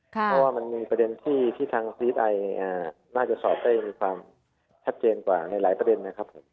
เพราะว่ามันมีประเด็นที่ทางซีสไอน่าจะสอบได้มีความชัดเจนกว่าในหลายประเด็นนะครับผม